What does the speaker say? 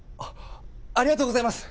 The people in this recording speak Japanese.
ありがとうございます！